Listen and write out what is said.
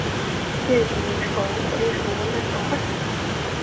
毕业于国立成功大学化学系。